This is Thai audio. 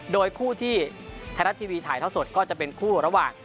โดยคู่ที่ไทยรัฐทีวีถ่ายท่อสดก็จะเป็นคู่ระหว่าง